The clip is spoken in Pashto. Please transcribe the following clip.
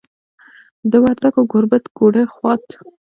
د وردګو ګوربت، ګوډه، خوات